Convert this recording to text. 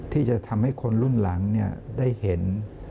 ที่จะทำให้คนรุ่นหลังได้เห็น